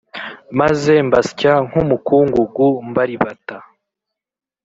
maze mbasya nk umukungugu mbaribata